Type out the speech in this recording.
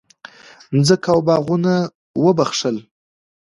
مځکه او باغونه وبخښل.